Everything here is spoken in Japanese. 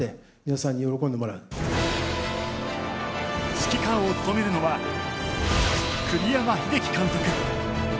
指揮官を務めるのは栗山英樹監督。